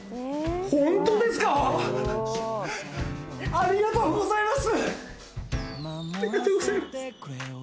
ありがとうございます。